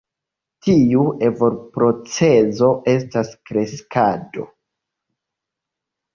Tiu evoluprocezo estas kreskado.